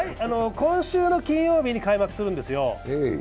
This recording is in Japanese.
今週の金曜日に開幕するんですよ。